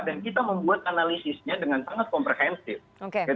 dan kita membuat analisisnya dengan sangat komprehensif